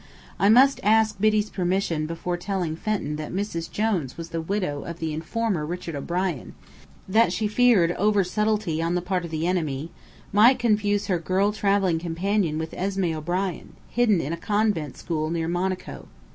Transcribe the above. I must ask Biddy's permission before telling Fenton that Mrs. Jones was the widow of the informer Richard O'Brien; that she feared over subtlety on the part of the enemy might confuse her girl travelling companion with Esmé O'Brien, hidden in a convent school near Monaco.